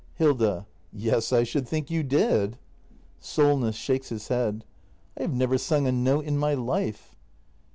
Hilda. Yes, I should think you did. SOLNESS. [SJiaJces his head.] I have never sung a note in my life.